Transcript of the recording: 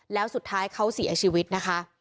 แล้วสุดท้ายเขาเสียชีวิตนะคะ